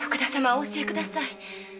お教えください。